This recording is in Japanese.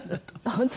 本当？